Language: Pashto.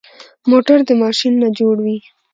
موټر د ماشین نه جوړ وي.